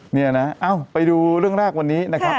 นี่นะเอ้าไปดูเรื่องแรกวันนี้นะครับ